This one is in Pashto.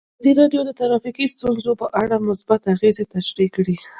ازادي راډیو د ټرافیکي ستونزې په اړه مثبت اغېزې تشریح کړي.